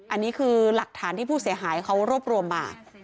อันนี้คือหลักฐานที่ผู้เสียหายเขารวบรวมมา